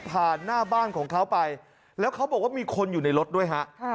หน้าบ้านของเขาไปแล้วเขาบอกว่ามีคนอยู่ในรถด้วยฮะ